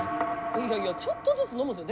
いやいやちょっとずつ飲むんですよ。